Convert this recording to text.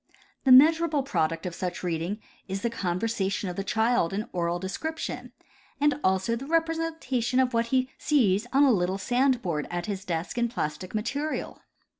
The measurable product of such reading is the con versation of the child in oral description, and also the repre sentation of what he sees on a little sand board at his desk in plastic material.